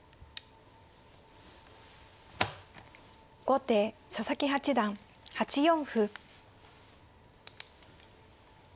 後手佐々木八段８四歩。